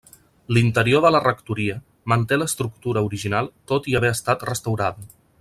L'interior de la rectoria manté l'estructura original tot i haver estat restaurada.